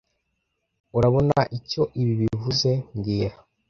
Urabona icyo ibi bivuze mbwira